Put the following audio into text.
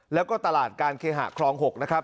แล้วก็ตลาดการเคหะคลอง๖นะครับ